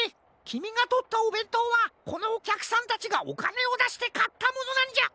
きみがとったおべんとうはこのおきゃくさんたちがおかねをだしてかったものなんじゃ。